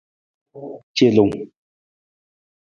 Celung.